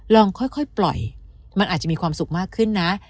ลองค่อยปล่อยมันอาจจะมีความสุขมากขึ้นนะ